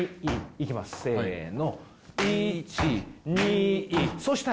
いきますせの。